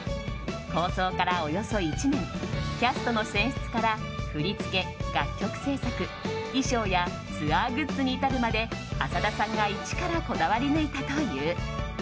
構想から、およそ１年キャストの選出から振り付け、楽曲制作衣装やツアーグッズに至るまで浅田さんが一からこだわり抜いたという。